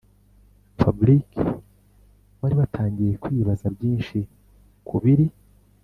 fabric wari watangiye kwibaza byinshi kubiri